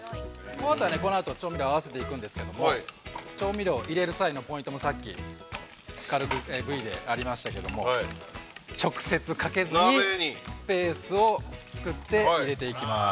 ◆このあと調味料を合わせていくんですけども、調味料を入れる際のポイントもさっき軽くＶでありましたけれども直接かけずに、スペースを作って入れていきます。